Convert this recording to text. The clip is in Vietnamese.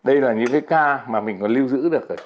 đây là những cái ca mà mình có lưu giữ được